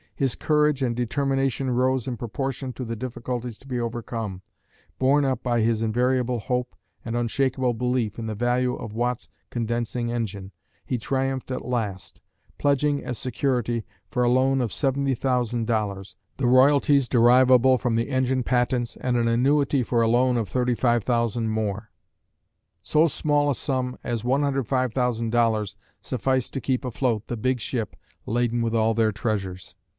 His courage and determination rose in proportion to the difficulties to be overcome, borne up by his invariable hope and unshakable belief in the value of Watt's condensing engine, he triumphed at last, pledging, as security for a loan of $70,000, the royalties derivable from the engine patents, and an annuity for a loan of $35,000 more. So small a sum as $105,000 sufficed to keep afloat the big ship laden with all their treasures.